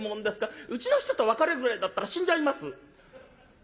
うちの人と別れるぐらいだったら死んじゃいます」。